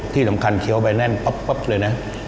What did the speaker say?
ที่สำคัญเคี้ยวไปแน่นปั๊บเลยนะ